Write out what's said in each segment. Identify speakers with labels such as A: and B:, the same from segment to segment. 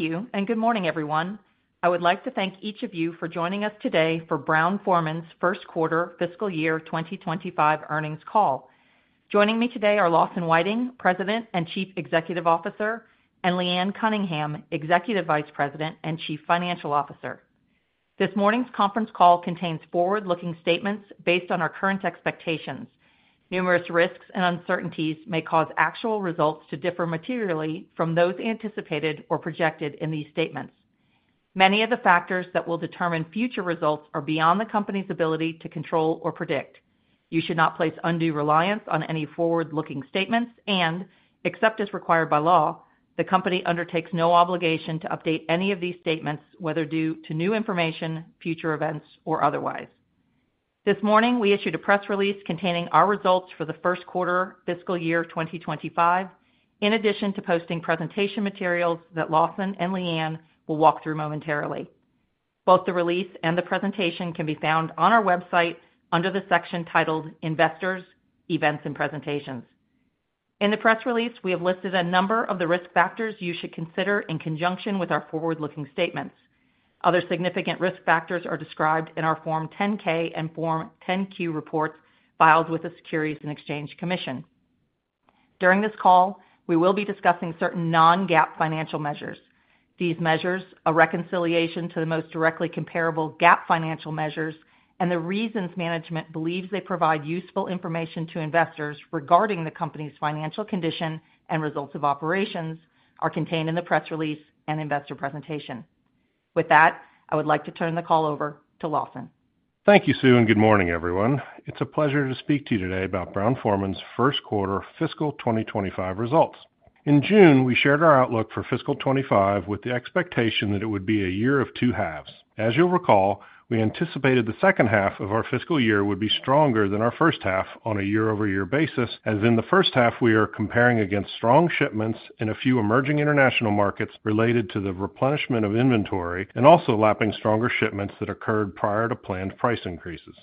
A: Thank you, and good morning, everyone. I would like to thank each of you for joining us today for Brown-Forman's first quarter Fiscal Year 2025 earnings call. Joining me today are Lawson Whiting, President and Chief Executive Officer, and Leanne Cunningham, Executive Vice President and Chief Financial Officer. This morning's conference call contains forward-looking statements based on our current expectations. Numerous risks and uncertainties may cause actual results to differ materially from those anticipated or projected in these statements. Many of the factors that will determine future results are beyond the company's ability to control or predict. You should not place undue reliance on any forward-looking statements, and except as required by law, the company undertakes no obligation to update any of these statements, whether due to new information, future events, or otherwise. This morning, we issued a press release containing our results for the first quarter fiscal year 2025, in addition to posting presentation materials that Lawson and Leanne will walk through momentarily. Both the release and the presentation can be found on our website under the section titled Investors, Events and Presentations. In the press release, we have listed a number of the risk factors you should consider in conjunction with our forward-looking statements. Other significant risk factors are described in our Form 10-K and Form 10-Q reports filed with the Securities and Exchange Commission. During this call, we will be discussing certain non-GAAP financial measures. These measures, a reconciliation to the most directly comparable GAAP financial measures, and the reasons management believes they provide useful information to investors regarding the company's financial condition and results of operations, are contained in the press release and investor presentation. With that, I would like to turn the call over to Lawson.
B: Thank you, Sue, and good morning, everyone. It's a pleasure to speak to you today about Brown-Forman's first quarter fiscal 2025 results. In June, we shared our outlook for fiscal 25 with the expectation that it would be a year of two halves. As you'll recall, we anticipated the second half of our fiscal year would be stronger than our first half on a year-over-year basis, as in the first half, we are comparing against strong shipments in a few emerging international markets related to the replenishment of inventory and also lapping stronger shipments that occurred prior to planned price increases.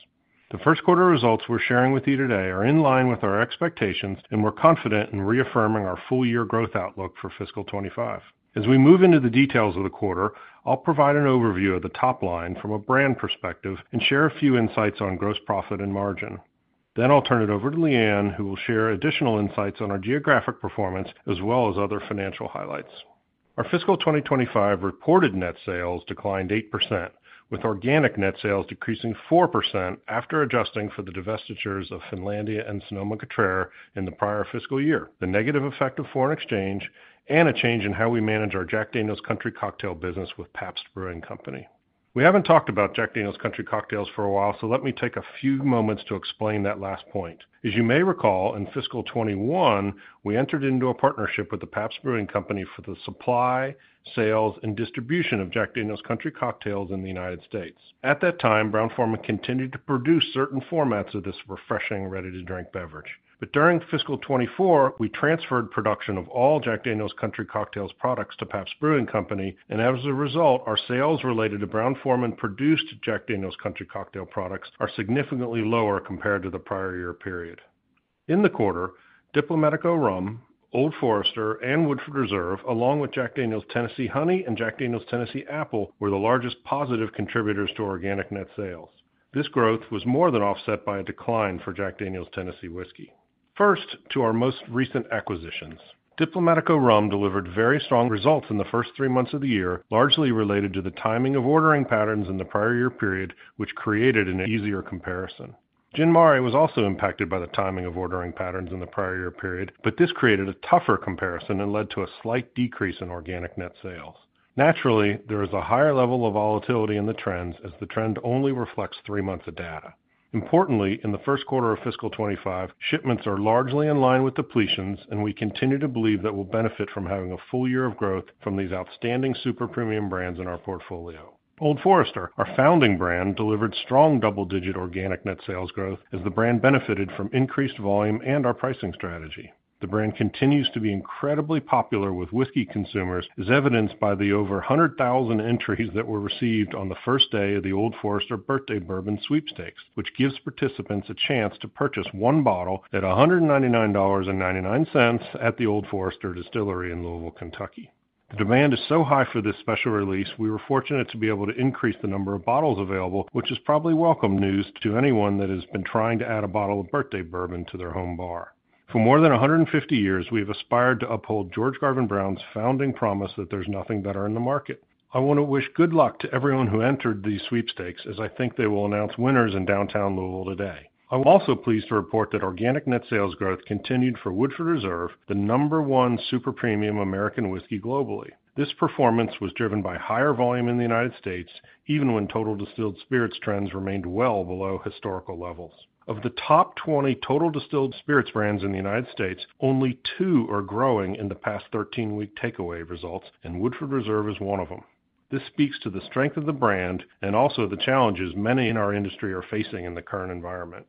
B: The first quarter results we're sharing with you today are in line with our expectations, and we're confident in reaffirming our full year growth outlook for fiscal 25. As we move into the details of the quarter, I'll provide an overview of the top line from a brand perspective and share a few insights on gross profit and margin. Then I'll turn it over to Leanne, who will share additional insights on our geographic performance, as well as other financial highlights. Our Fiscal 2025 reported net sales declined 8%, with organic net sales decreasing 4% after adjusting for the divestitures of Finlandia and Sonoma-Cutrer in the prior fiscal year, the negative effect of foreign exchange, and a change in how we manage our Jack Daniel's Country Cocktail business with Pabst Brewing Company. We haven't talked about Jack Daniel's Country Cocktails for a while, so let me take a few moments to explain that last point. As you may recall, in fiscal 2021, we entered into a partnership with the Pabst Brewing Company for the supply, sales, and distribution of Jack Daniel's Country Cocktails in the United States. At that time, Brown-Forman continued to produce certain formats of this refreshing, ready-to-drink beverage. But during fiscal 2024, we transferred production of all Jack Daniel's Country Cocktails products to Pabst Brewing Company, and as a result, our sales related to Brown-Forman produced Jack Daniel's Country Cocktail products are significantly lower compared to the prior year period. In the quarter, Diplomático Rum, Old Forester, and Woodford Reserve, along with Jack Daniel's Tennessee Honey and Jack Daniel's Tennessee Apple, were the largest positive contributors to organic net sales. This growth was more than offset by a decline for Jack Daniel's Tennessee Whiskey. First, to our most recent acquisitions. Diplomático Rum delivered very strong results in the first three months of the year, largely related to the timing of ordering patterns in the prior year period, which created an easier comparison. Gin Mare was also impacted by the timing of ordering patterns in the prior year period, but this created a tougher comparison and led to a slight decrease in organic net sales. Naturally, there is a higher level of volatility in the trends as the trend only reflects three months of data. Importantly, in the first quarter of fiscal 2025, shipments are largely in line with depletions, and we continue to believe that we'll benefit from having a full year of growth from these outstanding super premium brands in our portfolio. Old Forester, our founding brand, delivered strong double-digit organic net sales growth as the brand benefited from increased volume and our pricing strategy. The brand continues to be incredibly popular with whiskey consumers, as evidenced by the over one hundred thousand entries that were received on the first day of the Old Forester Birthday Bourbon Sweepstakes, which gives participants a chance to purchase one bottle at $199.99 at the Old Forester Distillery in Louisville, Kentucky. The demand is so high for this special release, we were fortunate to be able to increase the number of bottles available, which is probably welcome news to anyone that has been trying to add a bottle of Birthday Bourbon to their home bar. For more than a hundred and fifty years, we have aspired to uphold George Garvin Brown's founding promise that there's nothing better in the market. I want to wish good luck to everyone who entered these sweepstakes, as I think they will announce winners in downtown Louisville today. I'm also pleased to report that organic net sales growth continued for Woodford Reserve, the number one super premium American whiskey globally. This performance was driven by higher volume in the United States, even when total distilled spirits trends remained well below historical levels. Of the top 20 total distilled spirits brands in the United States, only two are growing in the past 13-week takeaway results, and Woodford Reserve is one of them. This speaks to the strength of the brand and also the challenges many in our industry are facing in the current environment.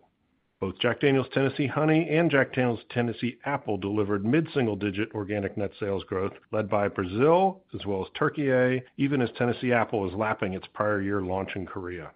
B: Both Jack Daniel's Tennessee Honey and Jack Daniel's Tennessee Apple delivered mid-single digit organic net sales growth, led by Brazil as well as Türkiye, even as Tennessee Apple is lapping its prior year launch in Korea.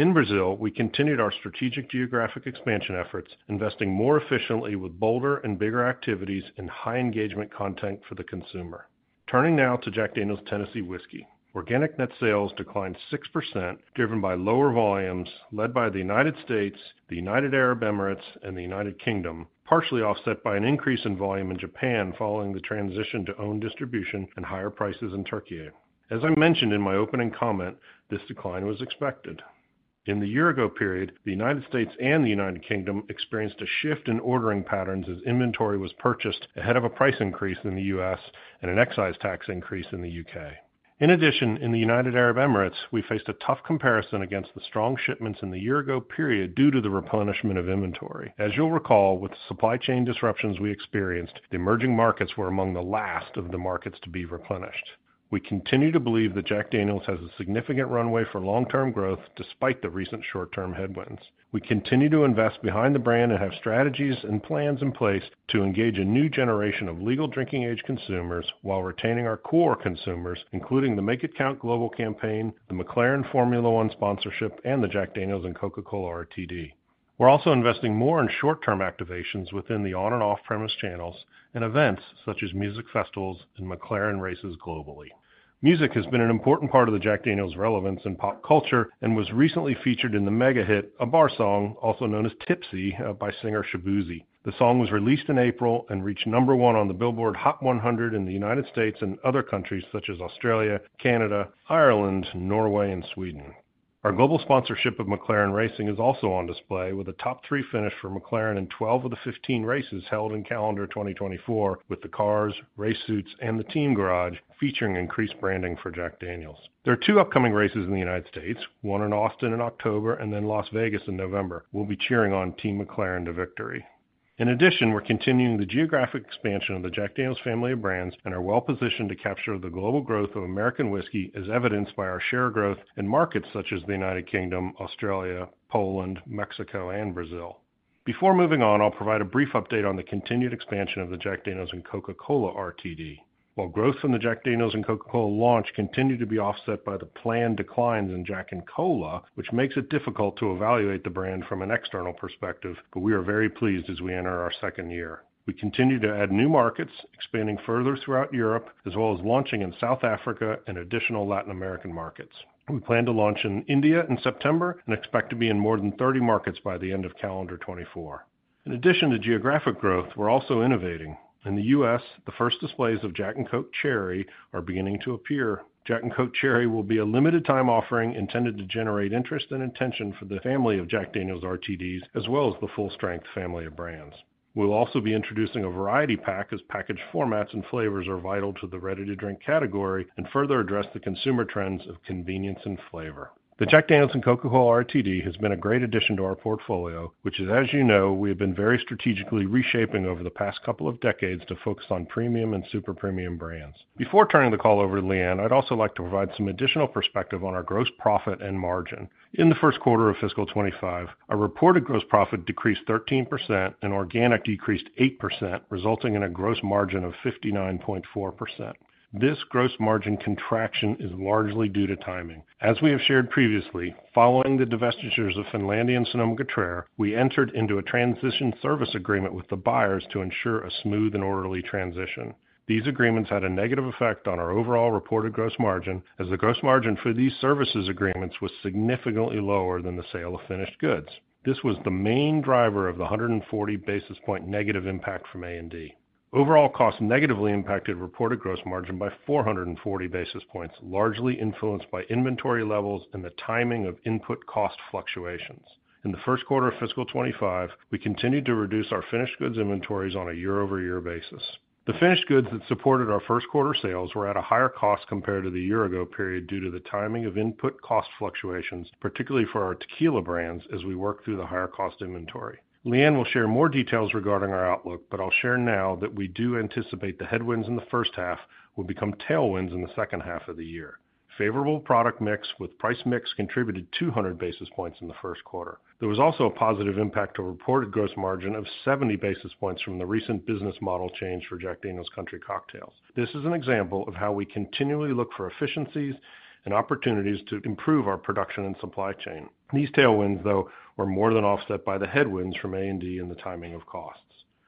B: In Brazil, we continued our strategic geographic expansion efforts, investing more efficiently with bolder and bigger activities and high engagement content for the consumer. Turning now to Jack Daniel's Tennessee Whiskey. Organic net sales declined 6%, driven by lower volumes led by the United States, the United Arab Emirates, and the United Kingdom, partially offset by an increase in volume in Japan following the transition to own distribution and higher prices in Türkiye. As I mentioned in my opening comment, this decline was expected. In the year-ago period, the United States and the United Kingdom experienced a shift in ordering patterns as inventory was purchased ahead of a price increase in the U.S. and an excise tax increase in the U.K. In addition, in the United Arab Emirates, we faced a tough comparison against the strong shipments in the year-ago period due to the replenishment of inventory. As you'll recall, with the supply chain disruptions we experienced, the emerging markets were among the last of the markets to be replenished. We continue to believe that Jack Daniel's has a significant runway for long-term growth, despite the recent short-term headwinds. We continue to invest behind the brand and have strategies and plans in place to engage a new generation of legal drinking age consumers while retaining our core consumers, including the Make It Count global campaign, the McLaren Formula One sponsorship, and the Jack Daniel's and Coca-Cola RTD. We're also investing more in short-term activations within the on- and off-premise channels and events such as music festivals and McLaren races globally. Music has been an important part of the Jack Daniel's relevance in pop culture and was recently featured in the mega hit, A Bar Song, also known as Tipsy, by singer Shaboozey. The song was released in April and reached number one on the Billboard Hot 100 in the United States and other countries such as Australia, Canada, Ireland, Norway, and Sweden. Our global sponsorship of McLaren Racing is also on display, with a top three finish for McLaren in twelve of the fifteen races held in calendar 2024, with the cars, race suits, and the team garage featuring increased branding for Jack Daniel's. There are two upcoming races in the United States, one in Austin in October and then Las Vegas in November. We'll be cheering on Team McLaren to victory. In addition, we're continuing the geographic expansion of the Jack Daniel's family of brands and are well-positioned to capture the global growth of American whiskey, as evidenced by our share growth in markets such as the United Kingdom, Australia, Poland, Mexico, and Brazil. Before moving on, I'll provide a brief update on the continued expansion of the Jack Daniel's and Coca-Cola RTD. While growth from the Jack Daniel's & Coca-Cola launch continued to be offset by the planned declines in Jack & Coke, which makes it difficult to evaluate the brand from an external perspective, but we are very pleased as we enter our second year. We continue to add new markets, expanding further throughout Europe, as well as launching in South Africa and additional Latin American markets. We plan to launch in India in September and expect to be in more than 30 markets by the end of calendar 2024. In addition to geographic growth, we're also innovating. In the U.S., the first displays of Jack & Coke Cherry are beginning to appear. Jack & Coke Cherry will be a limited time offering intended to generate interest and intention for the family of Jack Daniel's RTDs, as well as the full-strength family of brands. We'll also be introducing a variety pack as package formats and flavors are vital to the ready-to-drink category and further address the consumer trends of convenience and flavor. The Jack Daniel's and Coca-Cola RTD has been a great addition to our portfolio, which is, as you know, we have been very strategically reshaping over the past couple of decades to focus on premium and super premium brands. Before turning the call over to Leanne, I'd also like to provide some additional perspective on our gross profit and margin. In the first quarter of fiscal 2025, our reported gross profit decreased 13% and organic decreased 8%, resulting in a gross margin of 59.4%. This gross margin contraction is largely due to timing. As we have shared previously, following the divestitures of Finlandia and Sonoma-Cutrer, we entered into a transition service agreement with the buyers to ensure a smooth and orderly transition. These agreements had a negative effect on our overall reported gross margin, as the gross margin for these services agreements was significantly lower than the sale of finished goods. This was the main driver of the 140 basis points negative impact from A&D. Overall costs negatively impacted reported gross margin by 440 basis points, largely influenced by inventory levels and the timing of input cost fluctuations. In the first quarter of fiscal 2025, we continued to reduce our finished goods inventories on a year-over-year basis. The finished goods that supported our first quarter sales were at a higher cost compared to the year-ago period due to the timing of input cost fluctuations, particularly for our tequila brands, as we work through the higher cost inventory. Leanne will share more details regarding our outlook, but I'll share now that we do anticipate the headwinds in the first half will become tailwinds in the second half of the year. Favorable product mix with price mix contributed 200 basis points in the first quarter. There was also a positive impact to reported gross margin of 70 basis points from the recent business model change for Jack Daniel's Country Cocktails. This is an example of how we continually look for efficiencies and opportunities to improve our production and supply chain. These tailwinds, though, were more than offset by the headwinds from A&D and the timing of costs.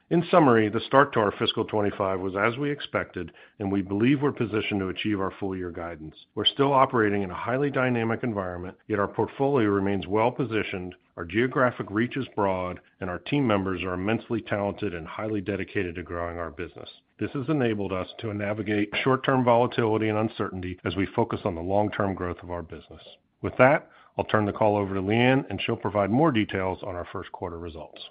B: In summary, the start to our fiscal 2025 was as we expected, and we believe we're positioned to achieve our full year guidance. We're still operating in a highly dynamic environment, yet our portfolio remains well-positioned, our geographic reach is broad, and our team members are immensely talented and highly dedicated to growing our business. This has enabled us to navigate short-term volatility and uncertainty as we focus on the long-term growth of our business. With that, I'll turn the call over to Leanne, and she'll provide more details on our first quarter results.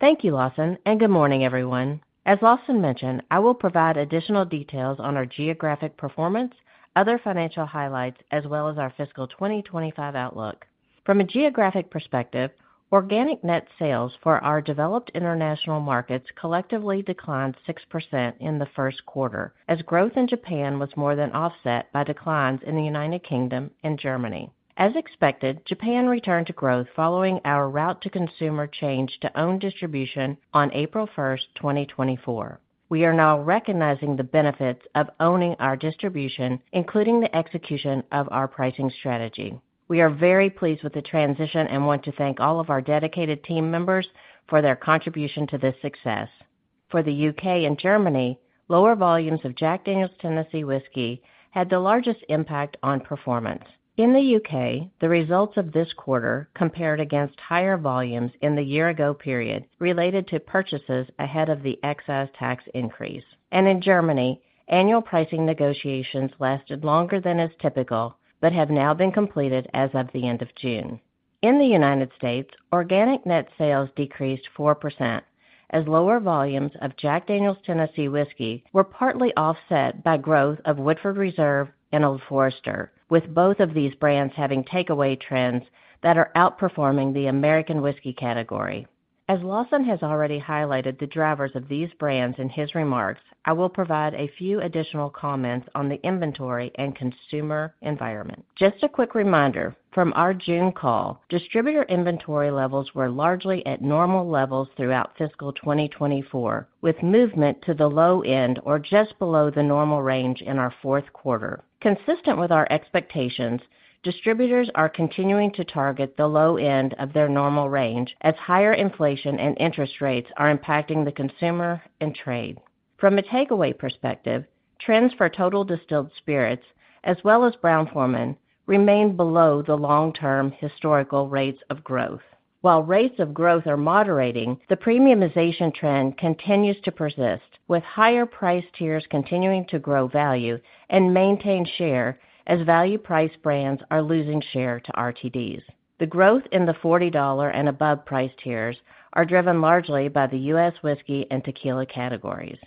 C: Thank you, Lawson, and good morning, everyone. As Lawson mentioned, I will provide additional details on our geographic performance, other financial highlights, as well as our fiscal 2025 outlook. From a geographic perspective, organic net sales for our developed international markets collectively declined 6% in the first quarter, as growth in Japan was more than offset by declines in the United Kingdom and Germany. As expected, Japan returned to growth following our route to consumer change to own distribution on April 1st, 2024. We are now recognizing the benefits of owning our distribution, including the execution of our pricing strategy. We are very pleased with the transition and want to thank all of our dedicated team members for their contribution to this success.... For the U.K. and Germany, lower volumes of Jack Daniel's Tennessee Whiskey had the largest impact on performance. In the U.K., the results of this quarter compared against higher volumes in the year-ago period related to purchases ahead of the excise tax increase. And in Germany, annual pricing negotiations lasted longer than is typical, but have now been completed as of the end of June. In the United States, organic net sales decreased 4%, as lower volumes of Jack Daniel's Tennessee Whiskey were partly offset by growth of Woodford Reserve and Old Forester, with both of these brands having takeaway trends that are outperforming the American Whiskey category. As Lawson has already highlighted the drivers of these brands in his remarks, I will provide a few additional comments on the inventory and consumer environment. Just a quick reminder, from our June call, distributor inventory levels were largely at normal levels throughout fiscal 2024, with movement to the low end or just below the normal range in our fourth quarter. Consistent with our expectations, distributors are continuing to target the low end of their normal range as higher inflation and interest rates are impacting the consumer and trade. From a takeaway perspective, trends for total distilled spirits, as well as Brown-Forman, remain below the long-term historical rates of growth. While rates of growth are moderating, the premiumization trend continues to persist, with higher price tiers continuing to grow value and maintain share as value price brands are losing share to RTDs. The growth in the 40-dollar and above price tiers are driven largely by the U.S. whiskey and tequila categories.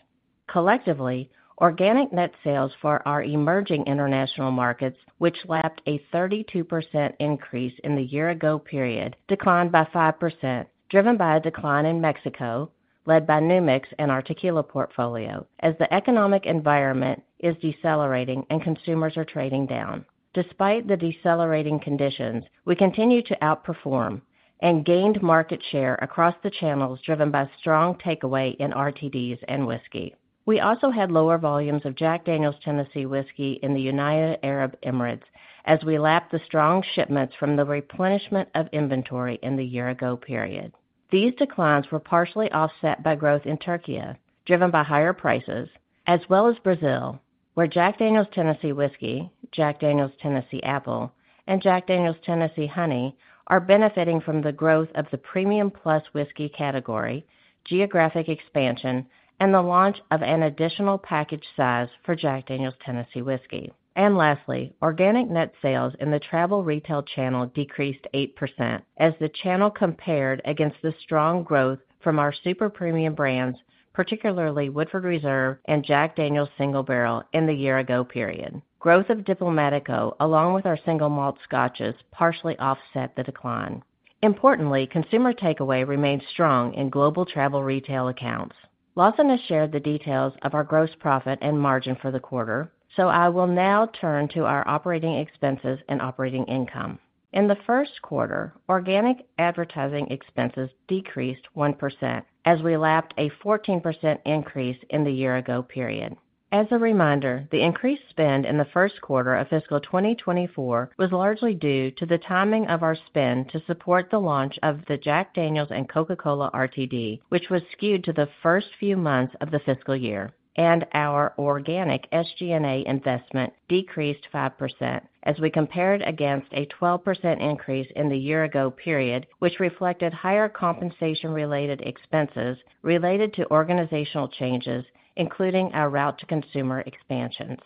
C: Collectively, organic net sales for our emerging international markets, which lapped a 32% increase in the year-ago period, declined by 5%, driven by a decline in Mexico, led by New Mix and our tequila portfolio, as the economic environment is decelerating and consumers are trading down. Despite the decelerating conditions, we continue to outperform and gained market share across the channels, driven by strong takeaway in RTDs and whiskey. We also had lower volumes of Jack Daniel's Tennessee Whiskey in the United Arab Emirates as we lapped the strong shipments from the replenishment of inventory in the year-ago period. These declines were partially offset by growth in Türkiye, driven by higher prices, as well as Brazil, where Jack Daniel's Tennessee Whiskey, Jack Daniel's Tennessee Apple, and Jack Daniel's Tennessee Honey are benefiting from the growth of the premium plus whiskey category, geographic expansion, and the launch of an additional package size for Jack Daniel's Tennessee Whiskey, and lastly, organic net sales in the travel retail channel decreased 8%, as the channel compared against the strong growth from our super premium brands, particularly Woodford Reserve and Jack Daniel's Single Barrel, in the year-ago period. Growth of Diplomático, along with our single malt Scotches, partially offset the decline. Importantly, consumer takeaway remains strong in global travel retail accounts. Lawson has shared the details of our gross profit and margin for the quarter, so I will now turn to our operating expenses and operating income. In the first quarter, organic advertising expenses decreased 1%, as we lapped a 14% increase in the year-ago period. As a reminder, the increased spend in the first quarter of fiscal 2024 was largely due to the timing of our spend to support the launch of the Jack Daniel's and Coca-Cola RTD, which was skewed to the first few months of the fiscal year, and our organic SG&A investment decreased 5%, as we compared against a 12% increase in the year-ago period, which reflected higher compensation-related expenses related to organizational changes, including our route to consumer expansions.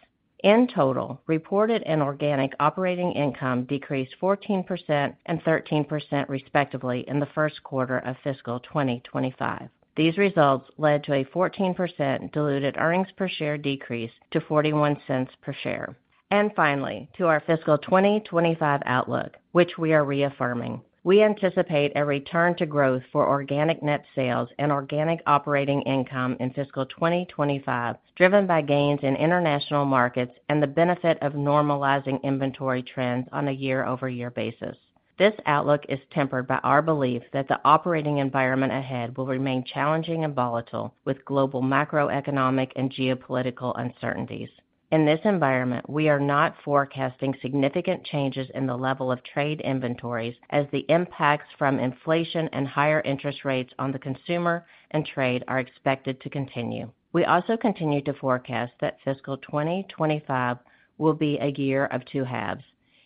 C: In total, reported and organic operating income decreased 14% and 13%, respectively, in the first quarter of fiscal 2025. These results led to a 14% diluted earnings per share decrease to $0.41 per share. And finally, to our fiscal 2025 outlook, which we are reaffirming. We anticipate a return to growth for organic net sales and organic operating income in fiscal 2025, driven by gains in international markets and the benefit of normalizing inventory trends on a year-over-year basis. This outlook is tempered by our belief that the operating environment ahead will remain challenging and volatile, with global macroeconomic and geopolitical uncertainties. In this environment, we are not forecasting significant changes in the level of trade inventories, as the impacts from inflation and higher interest rates on the consumer and trade are expected to continue. We also continue to forecast that fiscal 2025 will be a year of two halves.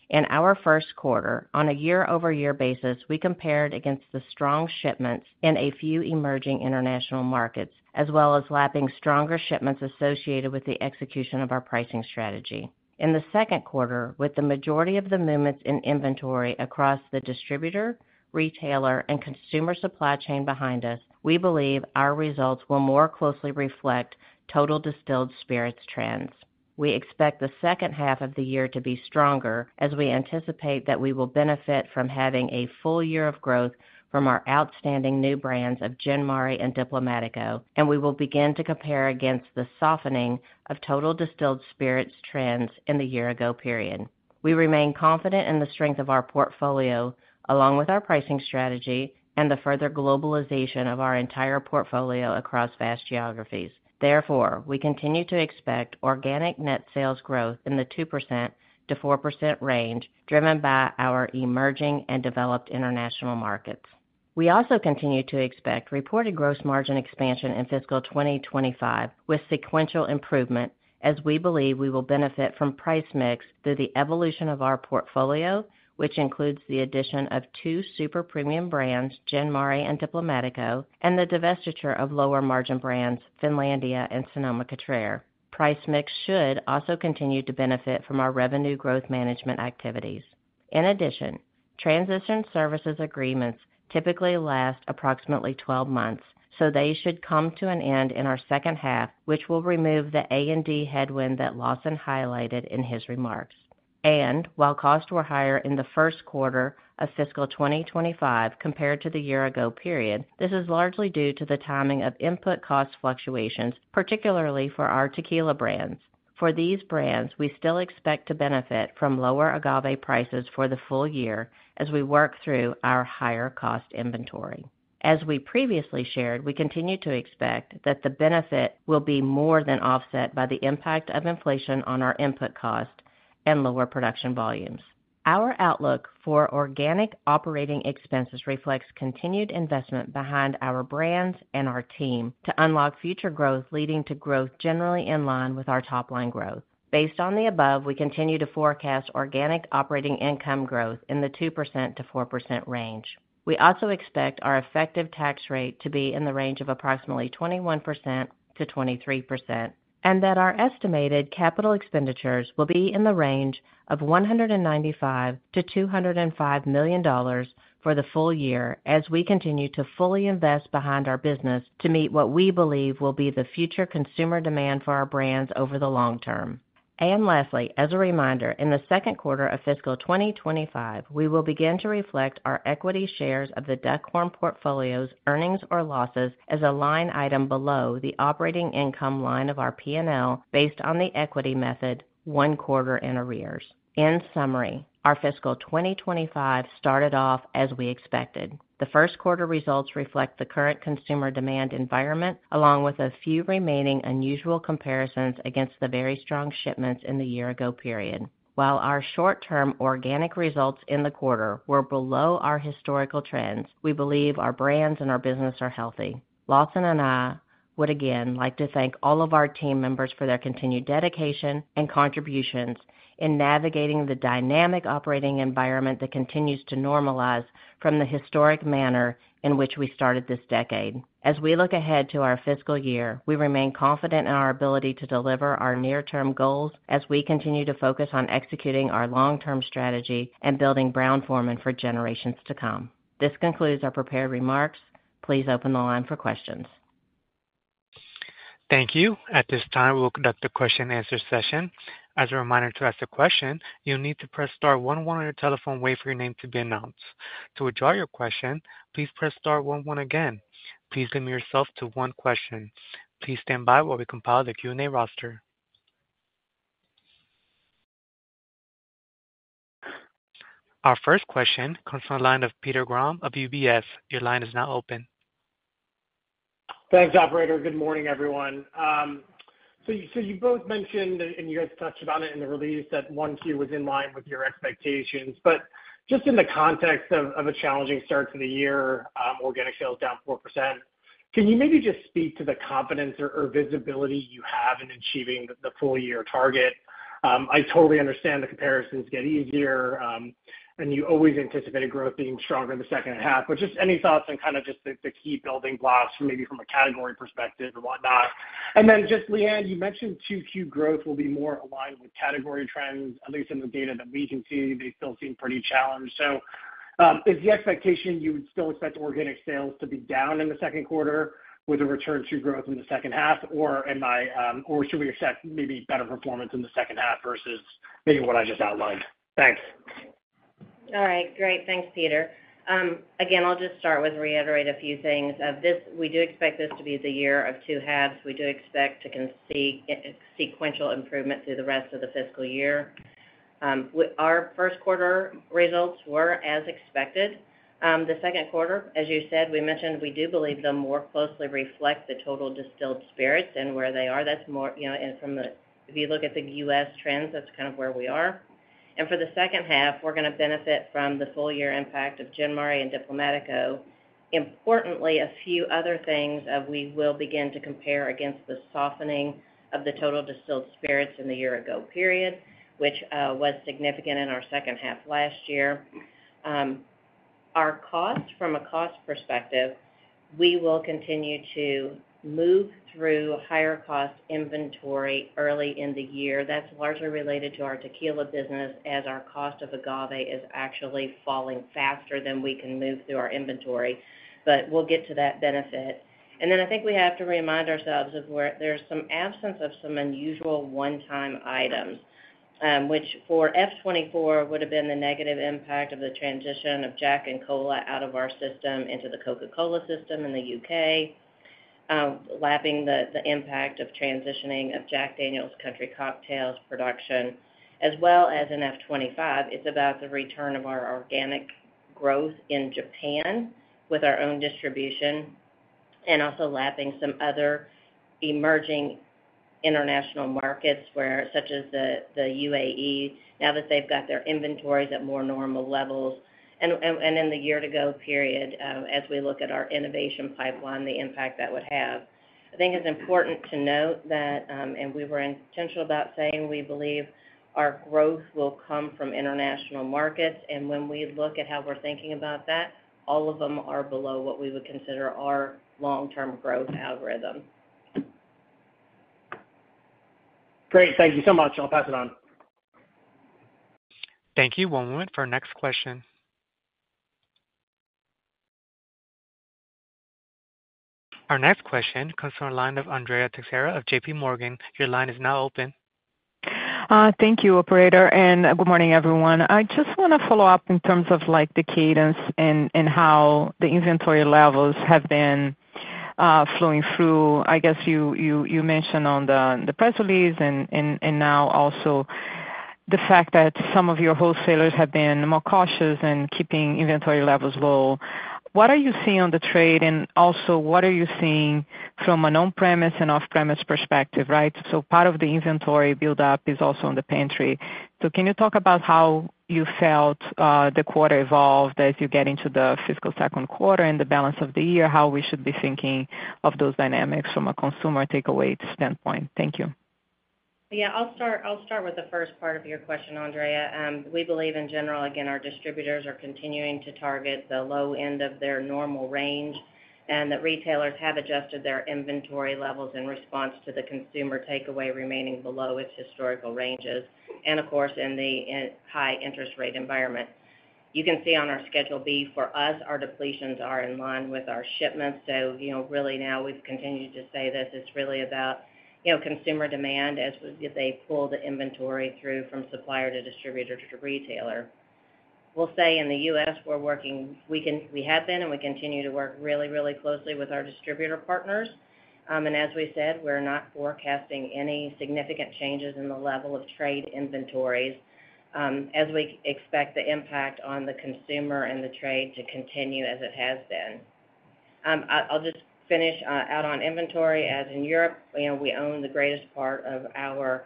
C: In our first quarter, on a year-over-year basis, we compared against the strong shipments in a few emerging international markets, as well as lapping stronger shipments associated with the execution of our pricing strategy. In the second quarter, with the majority of the movements in inventory across the distributor, retailer, and consumer supply chain behind us, we believe our results will more closely reflect total distilled spirits trends. We expect the second half of the year to be stronger as we anticipate that we will benefit from having a full year of growth from our outstanding new brands of Gin Mare and Diplomático, and we will begin to compare against the softening of total distilled spirits trends in the year-ago period. We remain confident in the strength of our portfolio, along with our pricing strategy and the further globalization of our entire portfolio across fast geographies. Therefore, we continue to expect organic net sales growth in the 2%-4% range, driven by our emerging and developed international markets. We also continue to expect reported gross margin expansion in fiscal 2025, with sequential improvement, as we believe we will benefit from price mix through the evolution of our portfolio, which includes the addition of two super premium brands, Gin Mare and Diplomático, and the divestiture of lower margin brands, Finlandia and Sonoma-Cutrer. Price mix should also continue to benefit from our revenue growth management activities. In addition, transition services agreements typically last approximately 12 months, so they should come to an end in our second half, which will remove the A&D headwind that Lawson highlighted in his remarks. While costs were higher in the first quarter of fiscal 2025 compared to the year ago period, this is largely due to the timing of input cost fluctuations, particularly for our tequila brands. For these brands, we still expect to benefit from lower agave prices for the full year as we work through our higher cost inventory. As we previously shared, we continue to expect that the benefit will be more than offset by the impact of inflation on our input costs and lower production volumes. Our outlook for organic operating expenses reflects continued investment behind our brands and our team to unlock future growth, leading to growth generally in line with our top line growth. Based on the above, we continue to forecast organic operating income growth in the 2% to 4% range. We also expect our effective tax rate to be in the range of approximately 21% to 23%, and that our estimated capital expenditures will be in the range of $195 million to $205 million for the full year, as we continue to fully invest behind our business to meet what we believe will be the future consumer demand for our brands over the long term. And lastly, as a reminder, in the second quarter of fiscal 2025, we will begin to reflect our equity shares of the Duckhorn Portfolio's earnings or losses as a line item below the operating income line of our PNL based on the equity method one quarter in arrears. In summary, our fiscal 2025 started off as we expected. The first quarter results reflect the current consumer demand environment, along with a few remaining unusual comparisons against the very strong shipments in the year ago period. While our short-term organic results in the quarter were below our historical trends, we believe our brands and our business are healthy. Lawson and I would again like to thank all of our team members for their continued dedication and contributions in navigating the dynamic operating environment that continues to normalize from the historic manner in which we started this decade. As we look ahead to our fiscal year, we remain confident in our ability to deliver our near-term goals as we continue to focus on executing our long-term strategy and building Brown-Forman for generations to come. This concludes our prepared remarks. Please open the line for questions.
D: Thank you. At this time, we'll conduct a question-and-answer session. As a reminder to ask a question, you'll need to press star one one on your telephone, wait for your name to be announced. To withdraw your question, please press star one one again. Please limit yourself to one question. Please stand by while we compile the Q&A roster. Our first question comes from the line of Peter Grom of UBS. Your line is now open.
E: Thanks, operator. Good morning, everyone. You both mentioned, and you guys touched on it in the release, that 1Q was in line with your expectations. But just in the context of a challenging start to the year, organic sales down 4%, can you maybe just speak to the confidence or visibility you have in achieving the full year target? I totally understand the comparisons get easier, and you always anticipate growth being stronger in the second half. But just any thoughts on kind of just the key building blocks, maybe from a category perspective and whatnot. And then just, Leanne, you mentioned 2Q growth will be more aligned with category trends. At least in the data that we can see, they still seem pretty challenged. Is the expectation you would still expect organic sales to be down in the second quarter with a return to growth in the second half? Or am I, or should we expect maybe better performance in the second half versus maybe what I just outlined? Thanks.
C: All right, great. Thanks, Peter. Again, I'll just start with reiterating a few things. We do expect this to be the year of two halves. We do expect to see sequential improvement through the rest of the fiscal year. Our first quarter results were as expected. The second quarter, as you said, we mentioned we do believe them more closely reflect the total distilled spirits and where they are. That's more, you know, and if you look at the U.S. trends, that's kind of where we are. And for the second half, we're gonna benefit from the full year impact of Gin Mare and Diplomático. Importantly, a few other things, we will begin to compare against the softening of the total distilled spirits in the year ago period, which was significant in our second half last year. Our costs, from a cost perspective, we will continue to move through higher cost inventory early in the year. That's largely related to our tequila business, as our cost of agave is actually falling faster than we can move through our inventory, but we'll get to that benefit. And then I think we have to remind ourselves of where there's some absence of some unusual one-time items, which for FY 2024 would have been the negative impact of the transition of Jack and Coke out of our system into the Coca-Cola system in the U.K., lapping the impact of transitioning of Jack Daniel's Country Cocktails production, as well as in FY 2025, it's about the return of our organic growth in Japan with our own distribution. and also lapping some other emerging international markets where, such as the UAE, now that they've got their inventories at more normal levels. And in the year ago period, as we look at our innovation pipeline, the impact that would have. I think it's important to note that, and we were intentional about saying we believe our growth will come from international markets, and when we look at how we're thinking about that, all of them are below what we would consider our long-term growth algorithm.
E: Great. Thank you so much. I'll pass it on.
D: Thank you. One moment for our next question. Our next question comes from the line of Andrea Teixeira of JPMorgan. Your line is now open.
F: Thank you, operator, and good morning, everyone. I just wanna follow up in terms of, like, the cadence and how the inventory levels have been flowing through. I guess you mentioned on the press release and now also the fact that some of your wholesalers have been more cautious in keeping inventory levels low. What are you seeing on the trade? And also, what are you seeing from an on-premise and off-premise perspective, right? So part of the inventory buildup is also on the premise. So can you talk about how you felt the quarter evolved as you get into the fiscal second quarter and the balance of the year, how we should be thinking of those dynamics from a consumer takeaway standpoint? Thank you.
C: Yeah, I'll start with the first part of your question, Andrea. We believe in general, again, our distributors are continuing to target the low end of their normal range, and that retailers have adjusted their inventory levels in response to the consumer takeaway remaining below its historical ranges, and of course, in the high interest rate environment. You can see on our Schedule B, for us, our depletions are in line with our shipments. So, you know, really now we've continued to say this, it's really about, you know, consumer demand as they pull the inventory through from supplier to distributor to retailer. We'll say in the U.S., we have been and we continue to work really, really closely with our distributor partners. And as we said, we're not forecasting any significant changes in the level of trade inventories, as we expect the impact on the consumer and the trade to continue as it has been. I'll just finish out on inventory. As in Europe, you know, we own the greatest part of our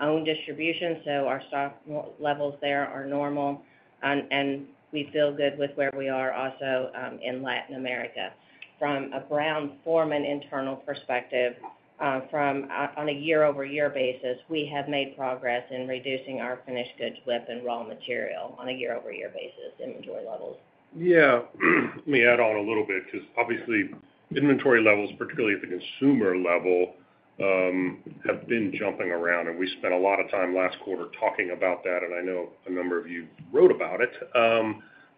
C: own distribution, so our stock levels there are normal. And we feel good with where we are also in Latin America. From a Brown-Forman internal perspective, on a year-over-year basis, we have made progress in reducing our finished goods WIP and raw material on a year-over-year basis inventory levels.
B: Yeah, let me add on a little bit because, obviously, inventory levels, particularly at the consumer level, have been jumping around, and we spent a lot of time last quarter talking about that, and I know a number of you wrote about it.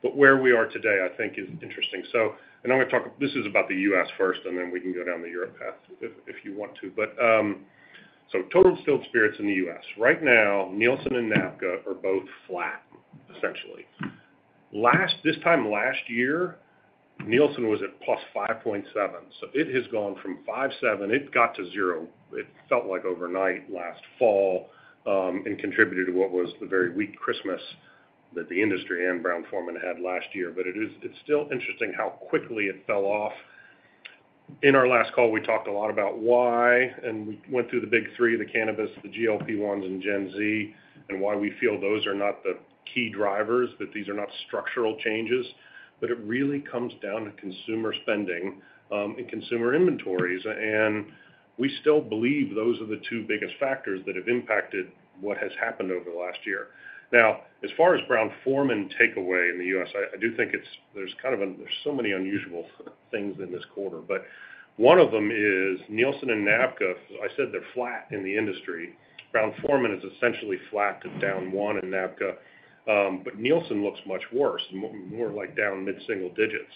B: But where we are today, I think, is interesting. So, and I'm gonna talk. This is about the U.S. first, and then we can go down the Europe path if you want to. But, so total distilled spirits in the U.S. Right now, Nielsen and NABCA are both flat, essentially. Last, this time last year, Nielsen was at plus 5.7, so it has gone from 5.7. It got to 0. It felt like overnight last fall, and contributed to what was the very weak Christmas that the industry and Brown-Forman had last year. But it is. It's still interesting how quickly it fell off. In our last call, we talked a lot about why, and we went through the big three, the cannabis, the GLP-1s, and Gen Z, and why we feel those are not the key drivers, that these are not structural changes, but it really comes down to consumer spending, and consumer inventories. And we still believe those are the two biggest factors that have impacted what has happened over the last year. Now, as far as Brown-Forman takeaway in the U.S., I do think it's. There's kind of an. There's so many unusual things in this quarter, but one of them is Nielsen and NABCA. I said they're flat in the industry. Brown-Forman is essentially flat to down one in NABCA, but Nielsen looks much worse, more like down mid-single digits.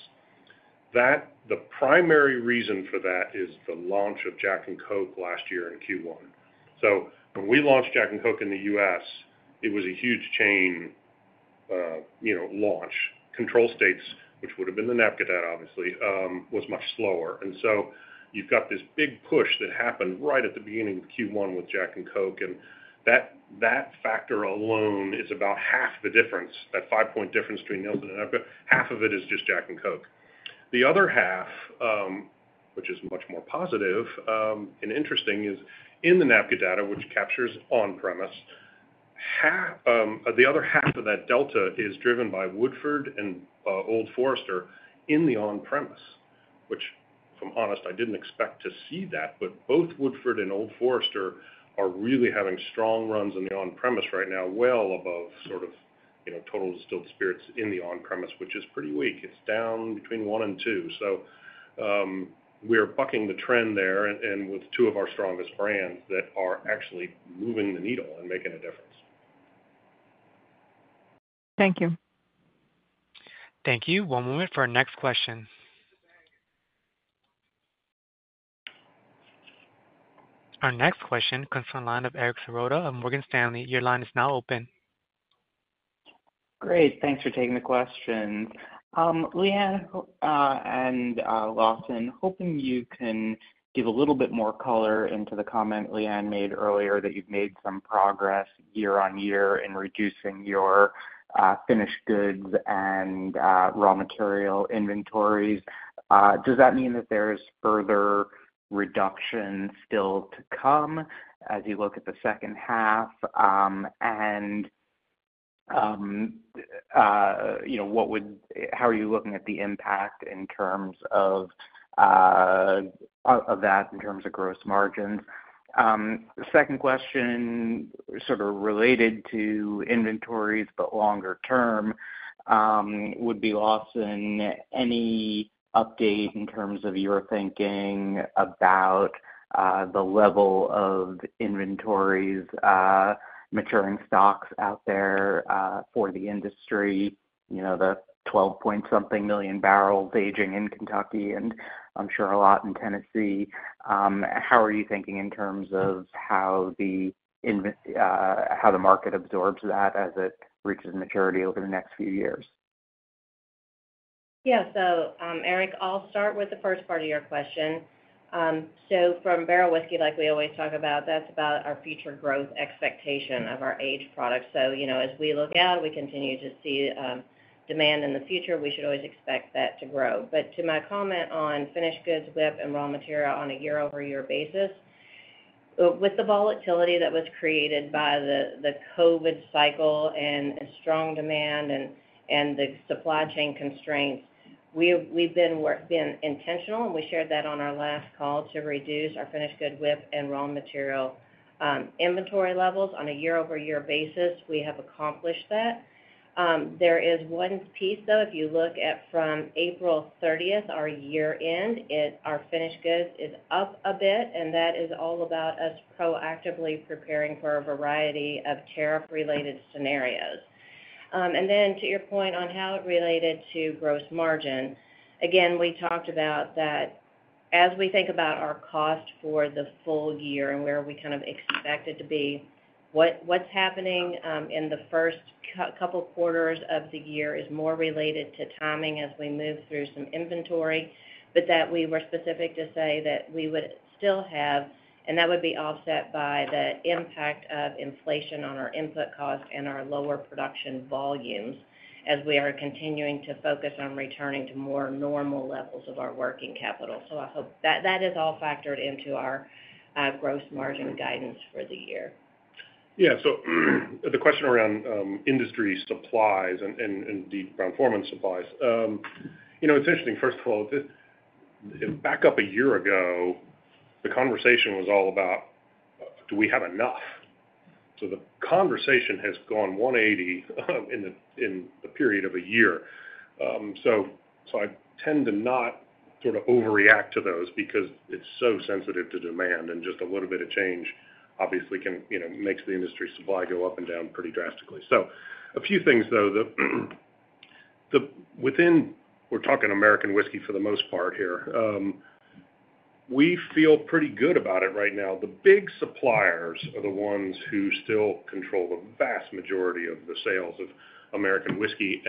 B: The primary reason for that is the launch of Jack and Coke last year in Q1. So when we launched Jack and Coke in the U.S., it was a huge chain, you know, launch. Control states, which would've been the NABCA data, obviously, was much slower. And so you've got this big push that happened right at the beginning of Q1 with Jack and Coke, and that factor alone is about half the difference. That five-point difference between Nielsen and NABCA, half of it is just Jack and Coke. The other half, which is much more positive, and interesting, is in the NABCA data, which captures on-premise, half, the other half of that delta is driven by Woodford and Old Forester in the on-premise, which, if I'm honest, I didn't expect to see that. But both Woodford and Old Forester are really having strong runs in the on-premise right now, well above sort of, you know, total distilled spirits in the on-premise, which is pretty weak. It's down between one and two. So, we're bucking the trend there and with two of our strongest brands that are actually moving the needle and making a difference.
F: Thank you.
D: Thank you. One moment for our next question. Our next question comes from the line of Eric Serotta of Morgan Stanley. Your line is now open....
G: Great, thanks for taking the questions. Leanne, and, Lawson, hoping you can give a little bit more color into the comment Leanne made earlier, that you've made some progress year on year in reducing your, finished goods and, raw material inventories. Does that mean that there is further reduction still to come as you look at the second half? And, you know, what would-- how are you looking at the impact in terms of, of, of that in terms of gross margins? The second question, sort of related to inventories, but longer term, would be, Lawson, any update in terms of your thinking about, the level of inventories, maturing stocks out there, for the industry? You know, the twelve-point something million barrels aging in Kentucky, and I'm sure a lot in Tennessee. How are you thinking in terms of how the market absorbs that as it reaches maturity over the next few years?
C: Yeah. So, Eric, I'll start with the first part of your question. So from barrel whiskey, like we always talk about, that's about our future growth expectation of our aged products. So, you know, as we look out, we continue to see demand in the future, we should always expect that to grow. But to my comment on finished goods WIP and raw material on a year-over-year basis, with the volatility that was created by the COVID cycle and strong demand and the supply chain constraints, we've been intentional, and we shared that on our last call, to reduce our finished good WIP and raw material inventory levels on a year-over-year basis. We have accomplished that. There is one piece, though, if you look at from April thirtieth, our year-end, our finished goods is up a bit, and that is all about us proactively preparing for a variety of tariff-related scenarios, and then to your point on how it related to gross margin, again, we talked about that as we think about our cost for the full year and where we kind of expect it to be, what's happening in the first couple quarters of the year is more related to timing as we move through some inventory, but that we were specific to say that we would still have, and that would be offset by the impact of inflation on our input costs and our lower production volumes as we are continuing to focus on returning to more normal levels of our working capital. So I hope... That is all factored into our gross margin guidance for the year.
B: Yeah, so the question around industry supplies and indeed Brown-Forman supplies. You know, it's interesting. First of all, back up a year ago, the conversation was all about do we have enough? So the conversation has gone one eighty in the period of a year. So I tend to not sort of overreact to those because it's so sensitive to demand, and just a little bit of change obviously can, you know, makes the industry supply go up and down pretty drastically. So a few things, though, within we're talking American whiskey for the most part here. We feel pretty good about it right now. The big suppliers are the ones who still control the vast majority of the sales of American whiskey.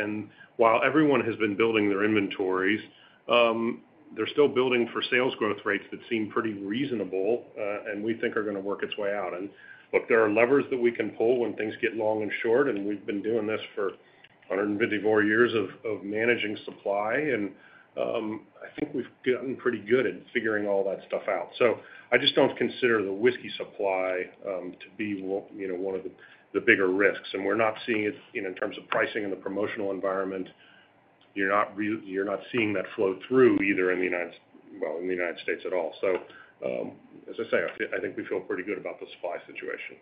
B: While everyone has been building their inventories, they're still building for sales growth rates that seem pretty reasonable, and we think are gonna work its way out. Look, there are levers that we can pull when things get long and short, and we've been doing this for a hundred and fifty-four years of managing supply. I think we've gotten pretty good at figuring all that stuff out. So I just don't consider the whiskey supply to be one of the bigger risks, and we're not seeing it, you know, in terms of pricing in the promotional environment. You're not seeing that flow through either in the United States at all. As I say, I think we feel pretty good about the supply situation.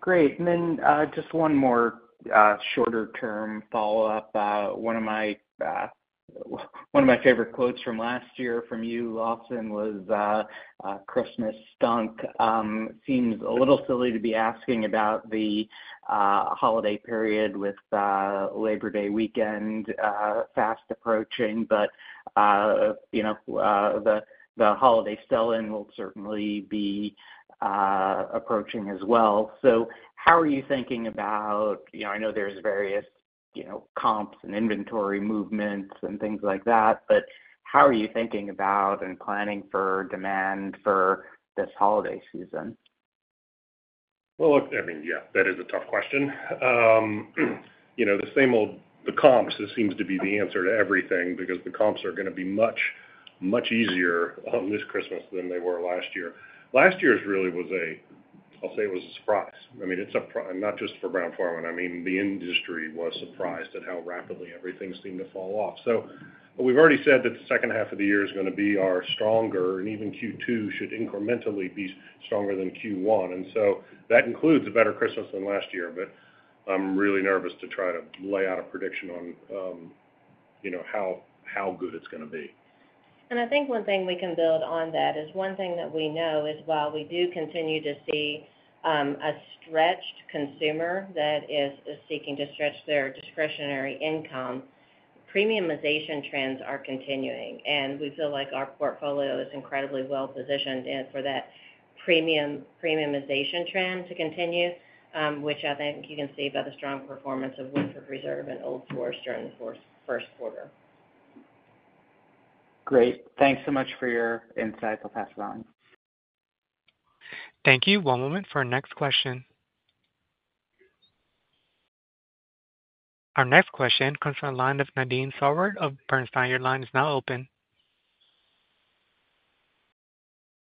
G: Great. And then, just one more, shorter term follow-up. One of my favorite quotes from last year from you, Lawson, was, Christmas stunk. Seems a little silly to be asking about the holiday period with Labor Day weekend fast approaching, but, you know, the holiday sell-in will certainly be approaching as well. So how are you thinking about, you know, I know there's various, you know, comps and inventory movements and things like that, but how are you thinking about and planning for demand for this holiday season?
B: Look, I mean, yeah, that is a tough question. You know, the same old, the comps, this seems to be the answer to everything, because the comps are gonna be much, much easier this Christmas than they were last year. Last year's really was a, I'll say it was a surprise. I mean, it's a surprise not just for Brown-Forman. I mean, the industry was surprised at how rapidly everything seemed to fall off. So we've already said that the second half of the year is gonna be our stronger, and even Q2 should incrementally be stronger than Q1, and so that includes a better Christmas than last year. But I'm really nervous to try to lay out a prediction on, you know, how good it's gonna be.
C: I think one thing we can build on that is, one thing that we know is while we do continue to see a stretched consumer that is seeking to stretch their discretionary income, premiumization trends are continuing, and we feel like our portfolio is incredibly well-positioned. For that premium premiumization trend to continue, which I think you can see by the strong performance of Woodford Reserve and Old Forester in the first quarter.
G: Great. Thanks so much for your insights. I'll pass it on.
D: Thank you. One moment for our next question. Our next question comes from the line of Nadine Sarwat of Bernstein. Your line is now open.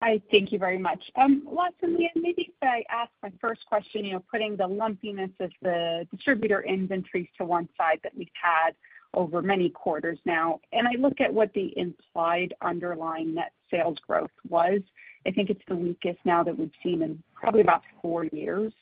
H: Hi, thank you very much. Well, so, maybe if I ask my first question, you know, putting the lumpiness of the distributor inventories to one side that we've had over many quarters now, and I look at what the implied underlying net sales growth was, I think it's the weakest now that we've seen in probably about four years,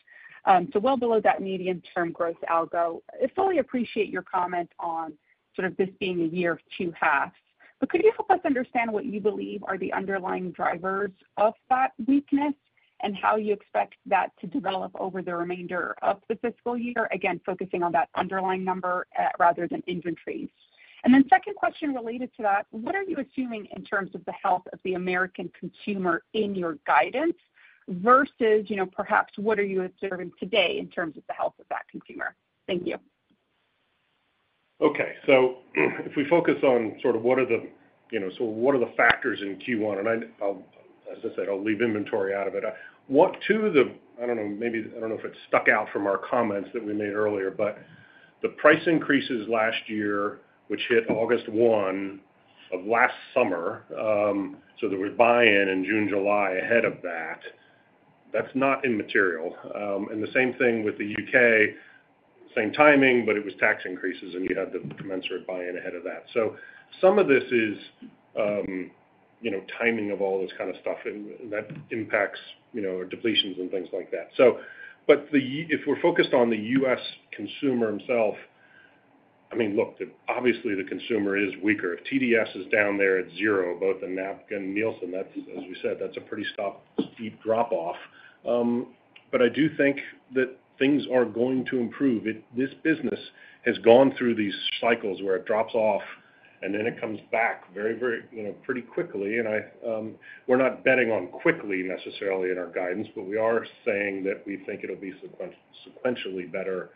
H: so well below that medium-term growth algo. I fully appreciate your comment on sort of this being a year of two halves, but could you help us understand what you believe are the underlying drivers of that weakness, and how you expect that to develop over the remainder of the fiscal year? Again, focusing on that underlying number, rather than inventories. And then second question related to that, what are you assuming in terms of the health of the American consumer in your guidance versus, you know, perhaps, what are you observing today in terms of the health of that consumer? Thank you.
B: Okay. If we focus on sort of what are the, you know, so what are the factors in Q1? And as I said, I'll leave inventory out of it. I don't know if it stuck out from our comments that we made earlier, but the price increases last year, which hit August one of last summer, so that we buy in, in June, July, ahead of that, that's not immaterial. And the same thing with the U.K., same timing, but it was tax increases, and you had the commensurate buy-in ahead of that. Some of this is, you know, timing of all this kind of stuff, and that impacts, you know, depletions and things like that. So, but the if we're focused on the U.S. consumer himself, I mean, look, obviously, the consumer is weaker. If TDS is down there at zero, both in NABCA and Nielsen, that's, as we said, that's a pretty steep, steep drop-off. But I do think that things are going to improve. This business has gone through these cycles where it drops off, and then it comes back very, very, you know, pretty quickly. And I, we're not betting on quickly necessarily in our guidance, but we are saying that we think it'll be sequentially, sequentially better,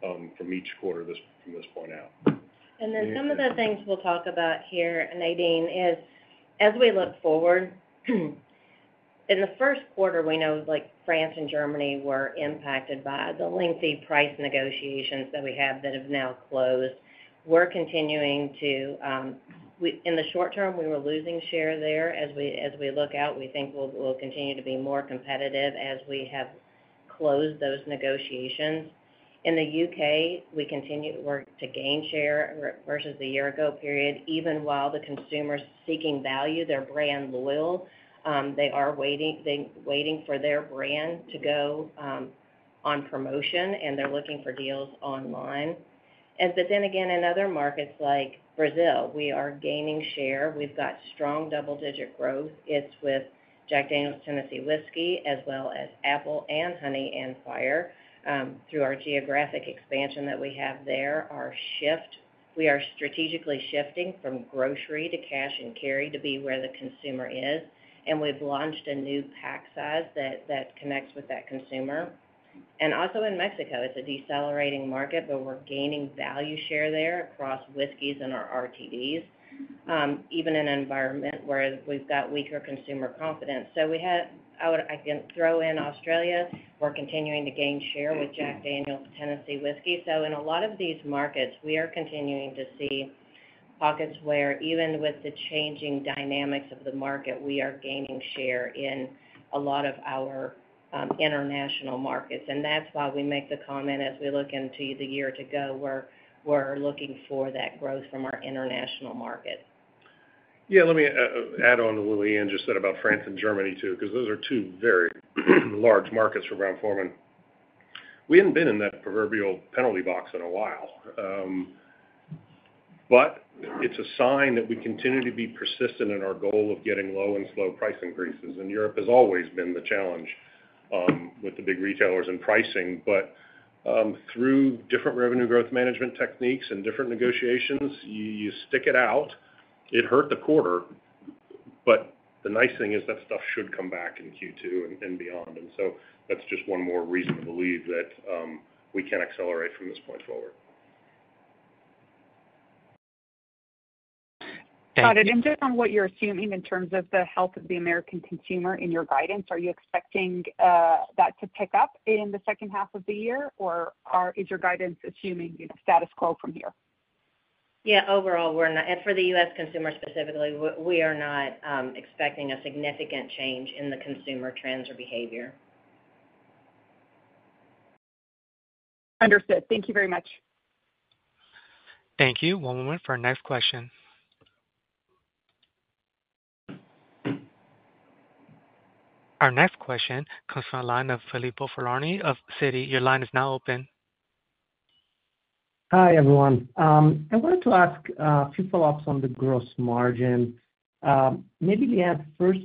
B: from each quarter from this point out.
C: And then some of the things we'll talk about here, Nadine, is as we look forward, in the first quarter, we know, like, France and Germany were impacted by the lengthy price negotiations that we had that have now closed. We're continuing to in the short term, we were losing share there. As we look out, we think we'll continue to be more competitive as we have closed those negotiations. In the U.K., we continue to work to gain share versus the year ago period, even while the consumer is seeking value, they're brand loyal. They are waiting for their brand to go on promotion, and they're looking for deals online. But then again, in other markets like Brazil, we are gaining share. We've got strong double-digit growth. It's with Jack Daniel's Tennessee Whiskey, as well as Apple and Honey and Fire. Through our geographic expansion that we have there, our shift, we are strategically shifting from grocery to cash and carry to be where the consumer is, and we've launched a new pack size that connects with that consumer, and also in Mexico, it's a decelerating market, but we're gaining value share there across whiskeys and our RTDs, even in an environment where we've got weaker consumer confidence. I can throw in Australia, we're continuing to gain share with Jack Daniel's Tennessee Whiskey, so in a lot of these markets, we are continuing to see pockets where even with the changing dynamics of the market, we are gaining share in a lot of our international markets. That's why we make the comment as we look into the year to go. We're looking for that growth from our international market.
B: Yeah, let me add on to what Leanne just said about France and Germany, too, because those are two very large markets for Brown-Forman. We hadn't been in that proverbial penalty box in a while. But it's a sign that we continue to be persistent in our goal of getting low and slow price increases, and Europe has always been the challenge with the big retailers and pricing. But through different revenue growth management techniques and different negotiations, you stick it out. It hurt the quarter, but the nice thing is that stuff should come back in Q2 and beyond. And so that's just one more reason to believe that we can accelerate from this point forward.
H: Thank you. And just on what you're assuming in terms of the health of the American consumer in your guidance, are you expecting that to pick up in the second half of the year? Or is your guidance assuming status quo from here?
C: Yeah, overall, we're not. And for the U.S. consumer specifically, we are not expecting a significant change in the consumer trends or behavior.
H: Understood. Thank you very much.
D: Thank you. One moment for our next question. Our next question comes from the line of Filippo Falorni of Citi. Your line is now open.
I: Hi, everyone. I wanted to ask a few follow-ups on the gross margin. Maybe, Leanne, first,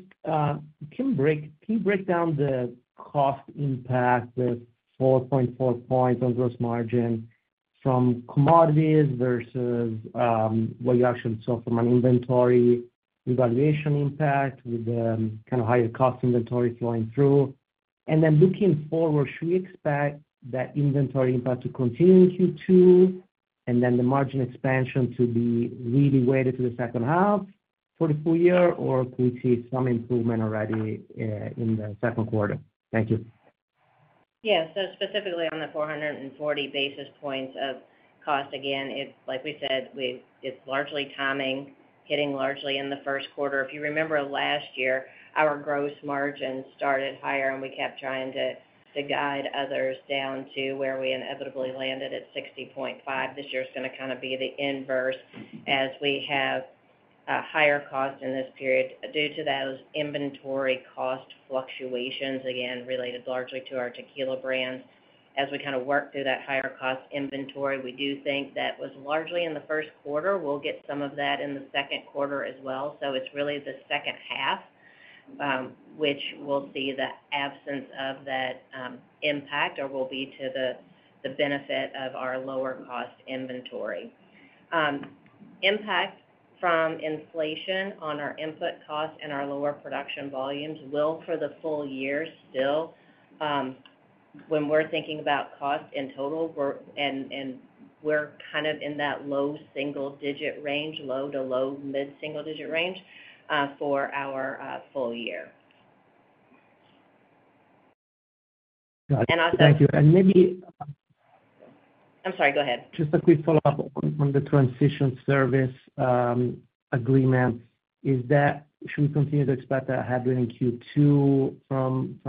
I: can you break down the cost impact, the 4.4 points on gross margin from commodities versus what you actually saw from an inventory valuation impact with kind of higher cost inventory flowing through? And then looking forward, should we expect that inventory impact to continue in Q2, and then the margin expansion to be really weighted to the second half for the full year, or could we see some improvement already in the second quarter? Thank you.
C: Yeah, so specifically on the 440 basis points of cost, again, it's like we said, it's largely timing, hitting largely in the first quarter. If you remember last year, our gross margin started higher, and we kept trying to guide others down to where we inevitably landed at 60.5%. This year's gonna kind of be the inverse, as we have a higher cost in this period due to those inventory cost fluctuations, again, related largely to our tequila brands. As we kind of work through that higher cost inventory, we do think that was largely in the first quarter. We'll get some of that in the second quarter as well, so it's really the second half, which we'll see the absence of that impact or will be to the benefit of our lower cost inventory. Impact from inflation on our input costs and our lower production volumes will, for the full year, still, when we're thinking about cost in total, we're kind of in that low single digit range, low to low mid-single digit range, for our full year.
I: Got it.
C: And also-
I: Thank you, and maybe-
C: I'm sorry, go ahead.
I: Just a quick follow-up on the transition services agreement. Is that... Should we continue to expect a headwind in Q2 from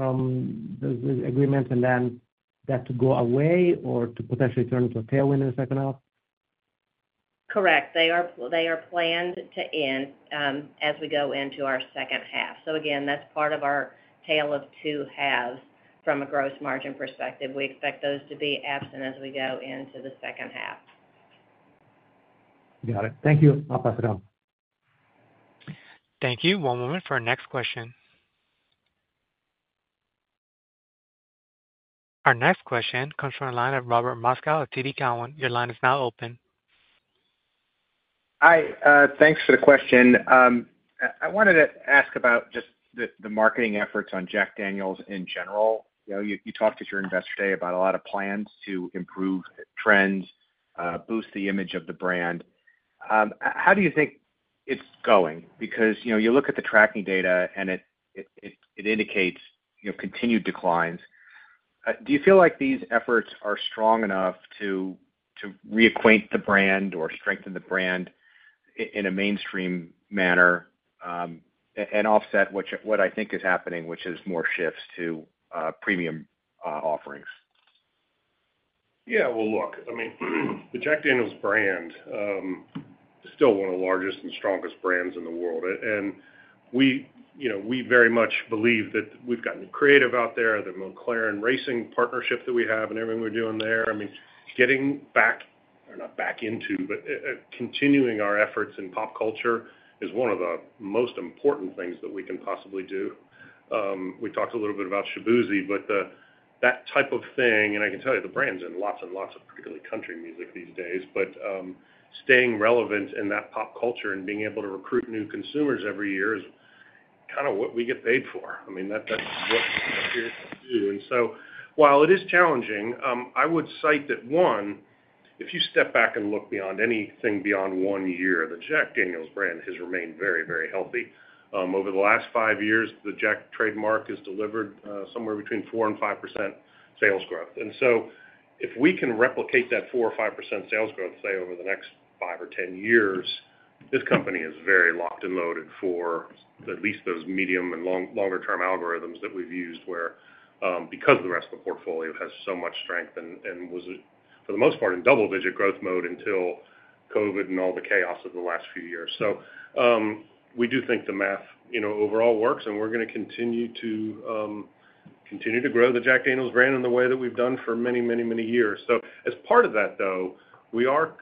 I: the agreement and then that to go away or to potentially turn into a tailwind in the second half?
C: Correct. They are, they are planned to end as we go into our second half. So again, that's part of our tale of two halves from a gross margin perspective. We expect those to be absent as we go into the second half.
I: Got it. Thank you. I'll pass it on.
D: Thank you. One moment for our next question. Our next question comes from the line of Robert Moskow with TD Cowen. Your line is now open.
J: Hi, thanks for the question. I wanted to ask about just the marketing efforts on Jack Daniel's in general. You know, you talked at your Investor Day about a lot of plans to improve trends, boost the image of the brand. How do you think it's going? Because, you know, you look at the tracking data, and it indicates, you know, continued declines. Do you feel like these efforts are strong enough to reacquaint the brand or strengthen the brand in a mainstream manner, and offset what I think is happening, which is more shifts to premium offerings?
B: Yeah, well, look, I mean, the Jack Daniel's brand is still one of the largest and strongest brands in the world. And we, you know, we very much believe that we've gotten creative out there, the McLaren Racing partnership that we have and everything we're doing there. I mean, getting back, or not back into, but continuing our efforts in pop culture is one of the most important things that we can possibly do. We talked a little bit about Shaboozey, but that type of thing, and I can tell you, the brand's in lots and lots of, particularly country music these days. But staying relevant in that pop culture and being able to recruit new consumers every year is kind of what we get paid for. I mean, that, that's what we're here to do. While it is challenging, I would cite that, one, if you step back and look beyond anything beyond one year, the Jack Daniel's brand has remained very, very healthy. Over the last 5 years, the Jack Daniel's trademark has delivered somewhere between 4% and 5% sales growth. And so if we can replicate that 4% or 5% sales growth, say, over the next 5 or 10 years, this company is very locked and loaded for at least those medium- and longer-term algorithms that we've used, where, because the rest of the portfolio has so much strength and was, for the most part, in double-digit growth mode until COVID and all the chaos of the last few years. So, we do think the math, you know, overall works, and we're gonna continue to grow the Jack Daniel's brand in the way that we've done for many, many, many years. So as part of that, though, we are.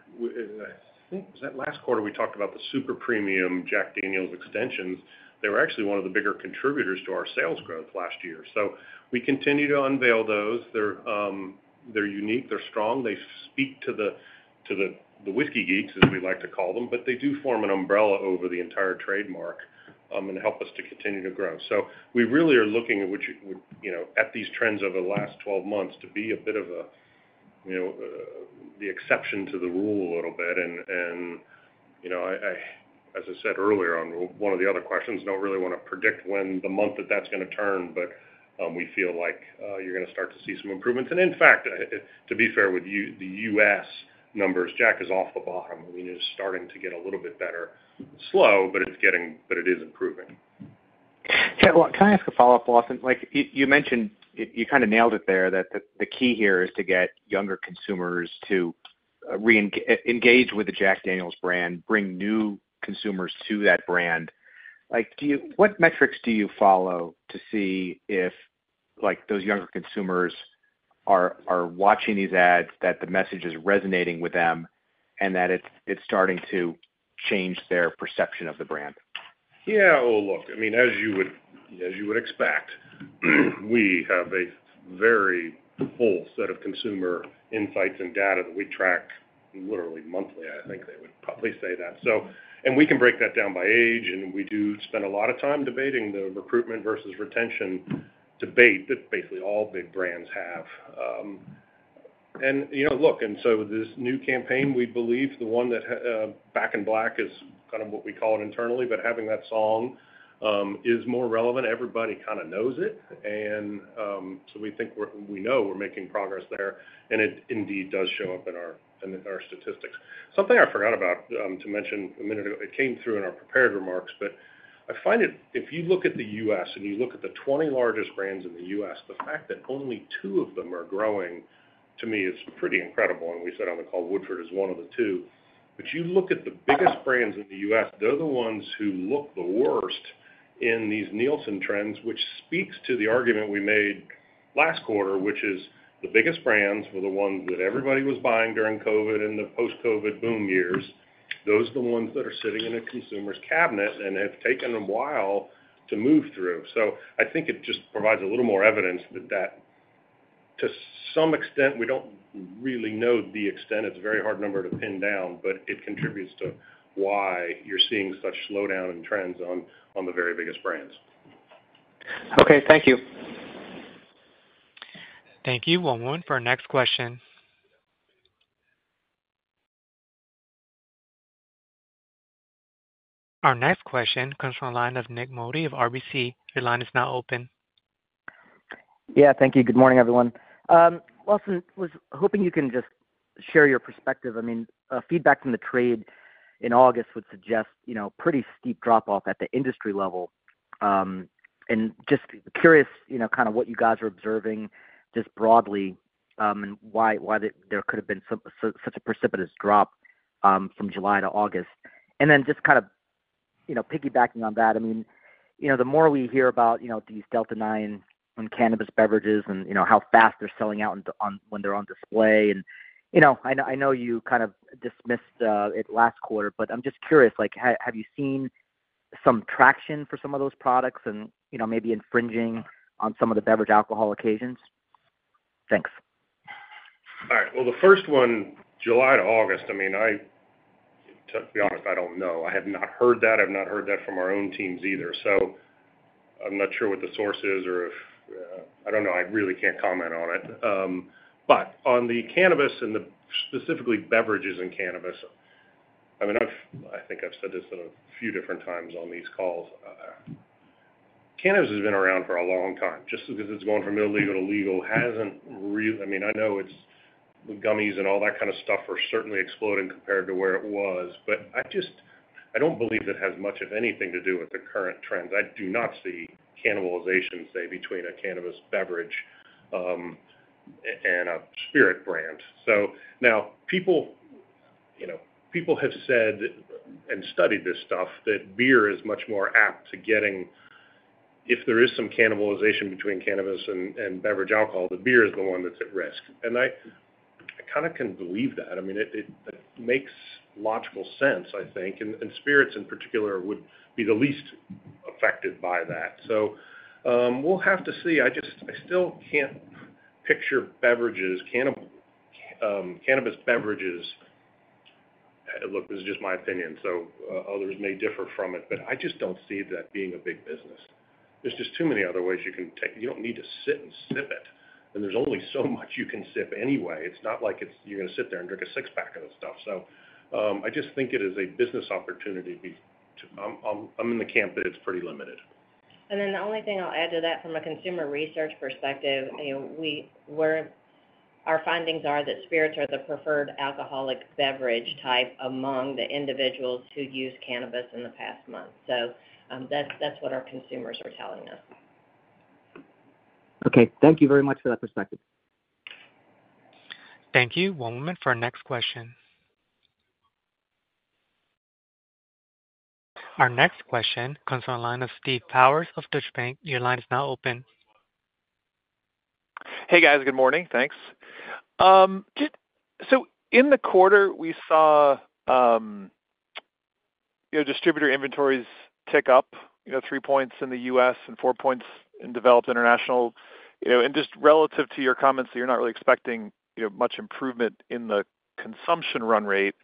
B: I think, was that last quarter we talked about the super premium Jack Daniel's extensions? They were actually one of the bigger contributors to our sales growth last year. So we continue to unveil those. They're unique, they're strong, they speak to the whiskey geeks, as we like to call them, but they do form an umbrella over the entire trademark, and help us to continue to grow. So we really are looking at which, you know, at these trends over the last twelve months to be a bit of a, you know, the exception to the rule a little bit. And, you know, I, as I said earlier, on one of the other questions, don't really wanna predict when the month that that's gonna turn, but we feel like you're gonna start to see some improvements. And in fact, to be fair, with the U.S. numbers, Jack is off the bottom. I mean, it's starting to get a little bit better. Slow, but it's getting, but it is improving.
J: Yeah, well, can I ask a follow-up, Lawson? Like, you mentioned, you kind of nailed it there, that the key here is to get younger consumers to reengage with the Jack Daniel's brand, bring new consumers to that brand. Like, do you-- what metrics do you follow to see if, like, those younger consumers are watching these ads, that the message is resonating with them, and that it's starting to change their perception of the brand?
B: Yeah. Well, look, I mean, as you would, as you would expect, we have a very full set of consumer insights and data that we track literally monthly. I think they would probably say that. So, and we can break that down by age, and we do spend a lot of time debating the recruitment versus retention debate that basically all big brands have. And, you know, look, and so this new campaign, we believe the one that, Back in Black is kind of what we call it internally, but having that song, is more relevant. Everybody kinda knows it, and, so we think we're, we know we're making progress there, and it indeed does show up in our, in our statistics. Something I forgot about, to mention a minute ago. It came through in our prepared remarks, but I find it, if you look at the U.S. and you look at the twenty largest brands in the U.S., the fact that only two of them are growing, to me, is pretty incredible. And we said on the call, Woodford is one of the two. But you look at the biggest brands in the U.S., they're the ones who look the worst in these Nielsen trends, which speaks to the argument we made last quarter, which is the biggest brands were the ones that everybody was buying during COVID and the post-COVID boom years. Those are the ones that are sitting in a consumer's cabinet and have taken a while to move through. So I think it just provides a little more evidence that, that to some extent, we don't really know the extent. It's a very hard number to pin down, but it contributes to why you're seeing such slowdown in trends on the very biggest brands.
J: Okay, thank you.
D: Thank you. One moment for our next question. Our next question comes from the line of Nik Modi of RBC. Your line is now open.
K: Yeah, thank you. Good morning, everyone. Lawson, was hoping you can just share your perspective. I mean, feedback from the trade in August would suggest, you know, pretty steep drop-off at the industry level. And just curious, you know, kind of what you guys are observing just broadly, and why there could have been such a precipitous drop from July to August. And then just kind of, you know, piggybacking on that, I mean, you know, the more we hear about, you know, these Delta-9 and cannabis beverages and, you know, how fast they're selling out on, when they're on display, and, you know, I know, I know you kind of dismissed it last quarter, but I'm just curious, like, have you seen some traction for some of those products and, you know, maybe infringing on some of the beverage alcohol occasions? Thanks.
B: All right. Well, the first one, July to August, I mean, to be honest, I don't know. I have not heard that. I've not heard that from our own teams either. So I'm not sure what the source is or if I don't know. I really can't comment on it. But on the cannabis and, specifically, beverages in cannabis, I mean, I think I've said this a few different times on these calls. Cannabis has been around for a long time. Just because it's going from illegal to legal hasn't, I mean, I know it's, the gummies and all that kind of stuff are certainly exploding compared to where it was, but I just, I don't believe it has much of anything to do with the current trends. I do not see cannibalization, say, between a cannabis beverage and a spirit brand. So now people, you know, people have said and studied this stuff, that beer is much more apt to getting. If there is some cannibalization between cannabis and beverage alcohol, the beer is the one that's at risk. And I kinda can believe that. I mean, it makes logical sense, I think. And spirits, in particular, would be the least affected by that. So, we'll have to see. I still can't picture cannabis beverages. Look, this is just my opinion, so others may differ from it, but I just don't see that being a big business. There's just too many other ways you can take. You don't need to sit and sip it, and there's only so much you can sip anyway. It's not like it's, you're gonna sit there and drink a six-pack of the stuff. So, I just think it is a business opportunity. I'm in the camp that it's pretty limited.
C: And then the only thing I'll add to that from a consumer research perspective, you know, we're, our findings are that spirits are the preferred alcoholic beverage type among the individuals who use cannabis in the past month. So, that's what our consumers are telling us.
K: Okay. Thank you very much for that perspective.
D: Thank you. One moment for our next question. Our next question comes on the line of Steve Powers of Deutsche Bank. Your line is now open.
L: Hey, guys. Good morning. Thanks. So in the quarter, we saw, you know, distributor inventories tick up, you know, 3 points in the U.S. and 4 points in developed international. You know, and just relative to your comments, that you're not really expecting, you know, much improvement in the consumption run rate,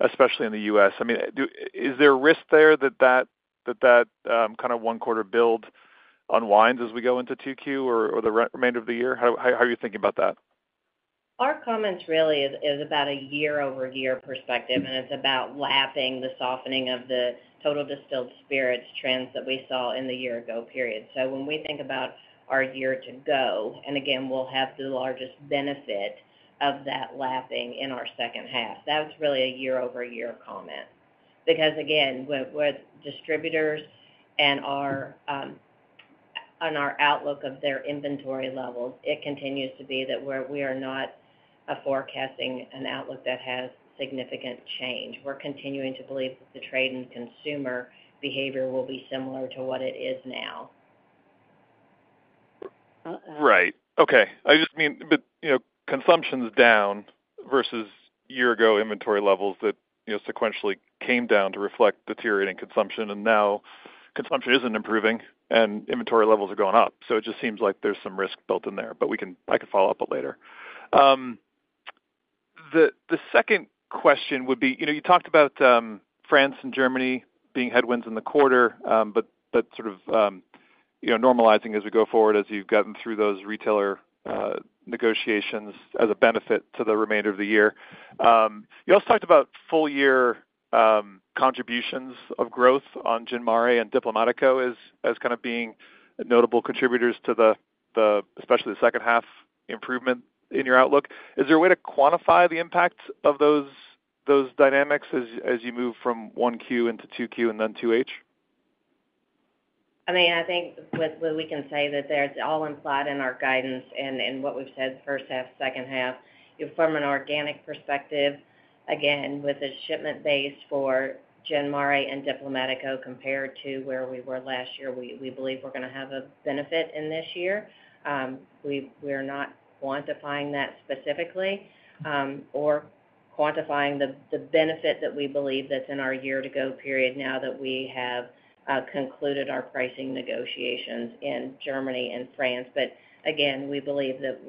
L: especially in the U.S. I mean, is there a risk there that kind of one quarter build unwinds as we go into 2Q or the remainder of the year? How are you thinking about that?
C: Our comments really is about a year-over-year perspective, and it's about lapping the softening of the total distilled spirits trends that we saw in the year ago period. So when we think about our year to go, and again, we'll have the largest benefit of that lapping in our second half. That was really a year-over-year comment. Because, again, with distributors and our on our outlook of their inventory levels, it continues to be that we are not forecasting an outlook that has significant change. We're continuing to believe that the trade and consumer behavior will be similar to what it is now....
L: Right. Okay. I just mean, but, you know, consumption's down versus year-ago inventory levels that, you know, sequentially came down to reflect deteriorating consumption, and now consumption isn't improving, and inventory levels are going up. So it just seems like there's some risk built in there, but we can, I can follow up with later. The second question would be, you know, you talked about France and Germany being headwinds in the quarter, but sort of, you know, normalizing as we go forward, as you've gotten through those retailer negotiations as a benefit to the remainder of the year. You also talked about full year contributions of growth on Gin Mare and Diplomático as kind of being notable contributors to the, especially the second half improvement in your outlook. Is there a way to quantify the impact of those dynamics as you move from 1Q into 2Q and then 2H?
C: I mean, I think with what we can say that there's all implied in our guidance and what we've said first half, second half. From an organic perspective, again, with the shipment base for Gin Mare and Diplomático, compared to where we were last year, we believe we're gonna have a benefit in this year. We're not quantifying that specifically, or quantifying the benefit that we believe that's in our year-to-go period, now that we have concluded our pricing negotiations in Germany and France. But again, we believe that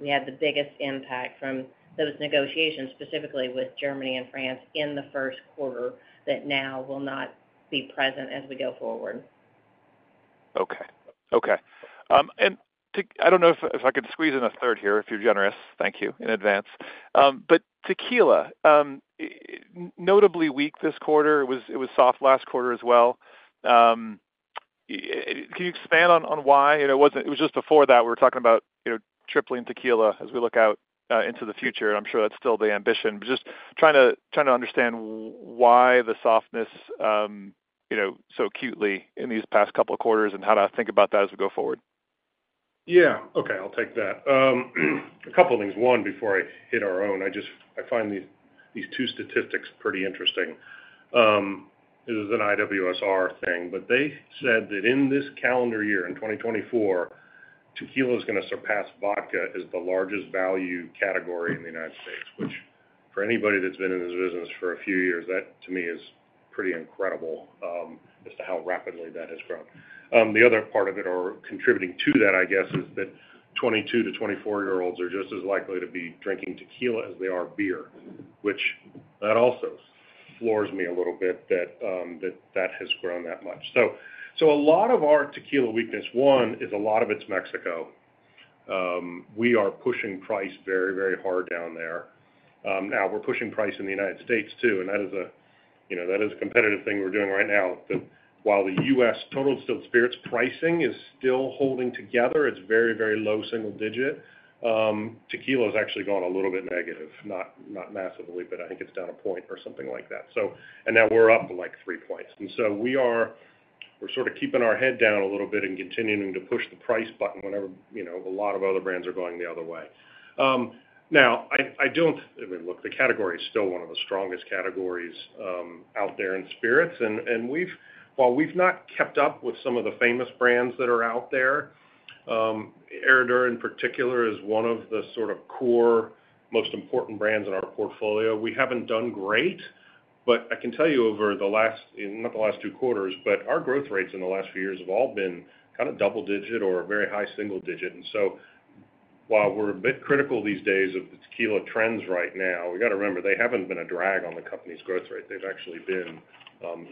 C: we had the biggest impact from those negotiations, specifically with Germany and France, in the first quarter, that now will not be present as we go forward.
L: Okay, okay. I don't know if I could squeeze in a third here, if you're generous. Thank you in advance, but tequila, notably weak this quarter. It was soft last quarter as well. Can you expand on why? It was just before that, we were talking about, you know, tripling tequila as we look out into the future. I'm sure that's still the ambition, but just trying to understand why the softness, you know, so acutely in these past couple of quarters, and how to think about that as we go forward.
B: Yeah. Okay, I'll take that. A couple of things. One, before I hit our own, I just—I find these two statistics pretty interesting. This is an IWSR thing, but they said that in this calendar year, in 2024, tequila is gonna surpass vodka as the largest value category in the United States, which for anybody that's been in this business for a few years, that to me is pretty incredible, as to how rapidly that has grown. The other part of it, or contributing to that, I guess, is that 22- to 24-year-olds are just as likely to be drinking tequila as they are beer, which that also floors me a little bit, that that has grown that much. So a lot of our tequila weakness, one, is a lot of it's Mexico. We are pushing price very, very hard down there. Now we're pushing price in the United States, too, and that, you know, is a competitive thing we're doing right now. That while the U.S. total distilled spirits pricing is still holding together, it's very, very low single digit. Tequila has actually gone a little bit negative, not massively, but I think it's down a point or something like that. And now we're up, like, 3 points, and so we are. We're sort of keeping our head down a little bit and continuing to push the price button whenever, you know, a lot of other brands are going the other way. Now, I don't. I mean, look, the category is still one of the strongest categories out there in spirits. While we've not kept up with some of the famous brands that are out there, Herradura in particular, is one of the sort of core, most important brands in our portfolio. We haven't done great, but I can tell you over the last, not the last two quarters, but our growth rates in the last few years have all been kind of double digit or very high single digit. And so while we're a bit critical these days of the tequila trends right now, we've got to remember, they haven't been a drag on the company's growth rate. They've actually been,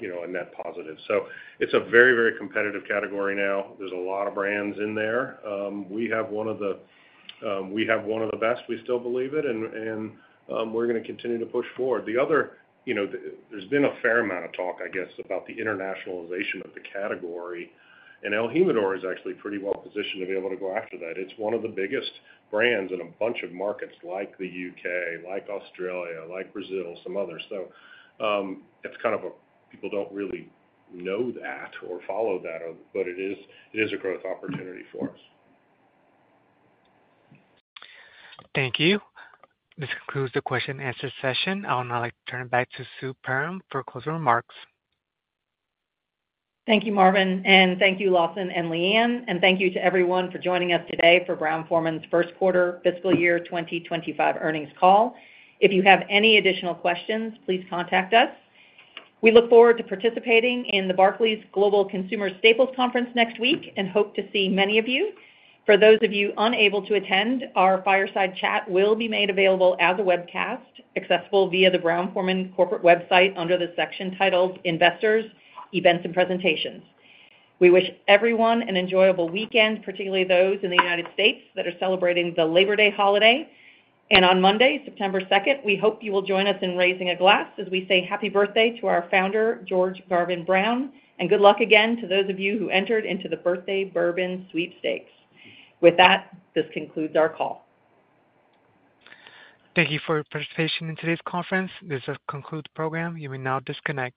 B: you know, a net positive. So it's a very, very competitive category now. There's a lot of brands in there. We have one of the best. We still believe it, and we're gonna continue to push forward. The other, you know, there's been a fair amount of talk, I guess, about the internationalization of the category, and El Jimador is actually pretty well positioned to be able to go after that. It's one of the biggest brands in a bunch of markets, like the U.K., like Australia, like Brazil, some others. So, it's kind of a people don't really know that or follow that, but it is a growth opportunity for us.
D: Thank you. This concludes the question and answer session. I would now like to turn it back to Sue Perram for closing remarks.
A: Thank you, Marvin, and thank you, Lawson and Leanne, and thank you to everyone for joining us today for Brown-Forman's first quarter fiscal year 2025 earnings call. If you have any additional questions, please contact us. We look forward to participating in the Barclays Global Consumer Staples Conference next week and hope to see many of you. For those of you unable to attend, our fireside chat will be made available as a webcast, accessible via the Brown-Forman corporate website under the section titled Investors, Events, and Presentations. We wish everyone an enjoyable weekend, particularly those in the United States, that are celebrating the Labor Day holiday. And on Monday, September second, we hope you will join us in raising a glass as we say Happy Birthday to our founder, George Garvin Brown, and good luck again to those of you who entered into the Birthday Bourbon Sweepstakes. With that, this concludes our call.
D: Thank you for your participation in today's conference. This does conclude the program. You may now disconnect.